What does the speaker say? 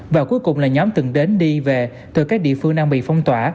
và cuối cùng là nhóm từng đến đi về từ các địa phương đang bị phong tỏa